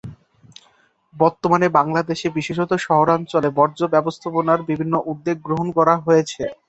বর্তমানে বাংলাদেশে, বিশেষত শহরাঞ্চলে বর্জ্য ব্যবস্থাপনার বিভিন্ন উদ্যোগ গ্রহণ করা হয়েছে।